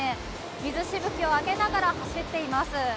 水しぶきを上げながら走っています。